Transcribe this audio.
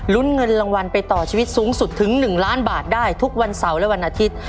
เงินรางวัลไปต่อชีวิตสูงสุดถึง๑ล้านบาทได้ทุกวันเสาร์และวันอาทิตย์